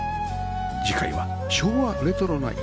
次回は昭和レトロな家